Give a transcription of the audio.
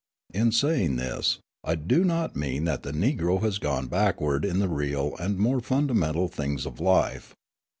In saying this, I do not mean that the Negro has gone backward in the real and more fundamental things of life.